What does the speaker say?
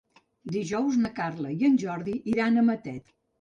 Dijous na Carla i en Jordi iran a Matet.